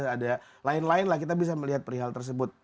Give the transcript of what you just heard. ada lain lain lah kita bisa melihat perihal tersebut